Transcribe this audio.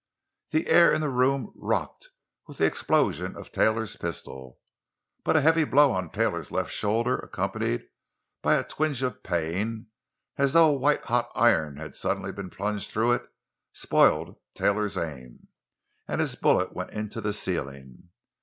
The air in the room rocked with the explosion of Taylor's pistol, but a heavy blow on Taylor's left shoulder, accompanied by a twinge of pain, as though a white hot iron had suddenly been plunged through it, spoiled Taylor's aim, and his bullet went into the ceiling.